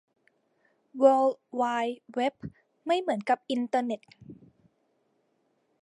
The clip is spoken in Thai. เวิล์ดไวด์เว็บไม่เหมือนกับอินเทอร์เน็ต